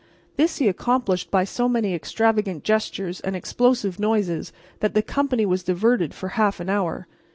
This he accomplished by so many extravagant gestures and explosive noises that the company was diverted for half an hour.